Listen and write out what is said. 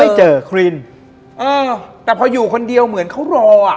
เจอครีนเออแต่พออยู่คนเดียวเหมือนเขารออ่ะ